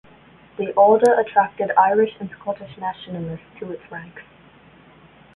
The Order attracted Irish and Scottish Nationalists to its ranks.